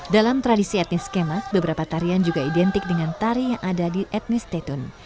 dalam tradisi etnis kemak beberapa tarian juga identik dengan tari yang ada di etnis tetun